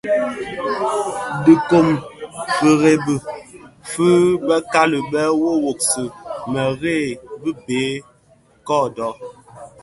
Dhi komid firebèn fi bekali bè woowoksi mëree bi bë kodo.